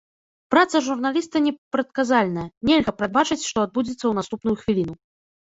Праца журналіста непрадказальная, нельга прадбачыць, што адбудзецца ў наступную хвіліну.